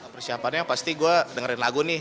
persiapannya pasti gue dengerin lagu nih